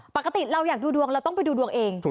ปกติเราอยากดูดวงเราต้องไปดูดวงเอง